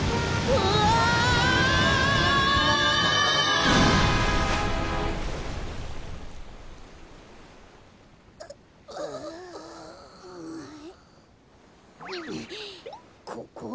うんここは？